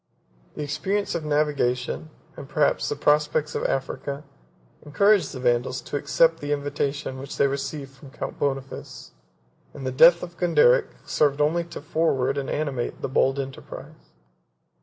The experience of navigation, and perhaps the prospect of Africa, encouraged the Vandals to accept the invitation which they received from Count Boniface; and the death of Gonderic served only to forward and animate the bold enterprise.